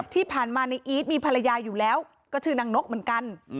ที่ผ่านมาในอีทมีภรรยาอยู่แล้วก็ชื่อนางนกเหมือนกัน